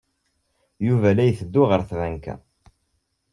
Yuba la itteddu ɣer tbanka.